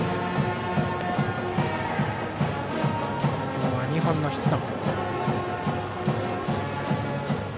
今日は２本のヒット。